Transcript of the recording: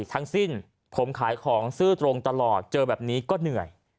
ทั้งสิ้นผมขายของซื่อตรงตลอดเจอแบบนี้ก็เหนื่อย